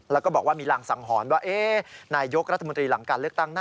แล้วก็บอกว่ามีรางสังหรณ์ว่านายกรัฐมนตรีหลังการเลือกตั้งนะ